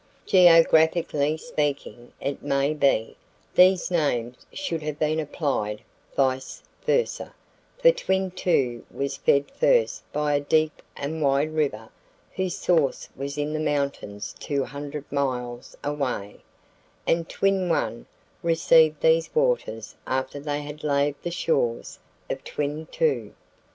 Geographically speaking, it may be, these names should have been applied vice versa, for Twin Two was fed first by a deep and wide river whose source was in the mountains 200 miles away, and Twin One received these waters after they had laved the shores of Twin Two.